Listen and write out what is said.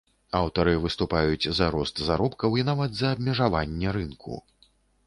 Аўтары выступаюць за рост заробкаў, і нават за абмежаванне рынку.